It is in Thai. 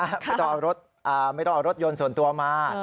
ไม่ต้องเอารถยนต์ส่วนตัวมา